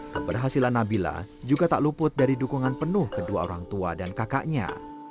keberhasilan nabila juga tak luput dari dukungan penuh kedua orang tua dan kakaknya